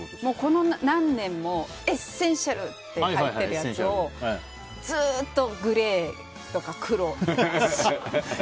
この何年もエッセンシャルって入ってるやつをずっとグレー、黒、白とか。